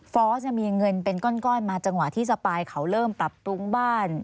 อสมีเงินเป็นก้อนมาจังหวะที่สปายเขาเริ่มปรับปรุงบ้าน